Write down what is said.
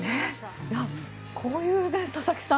こういう佐々木さん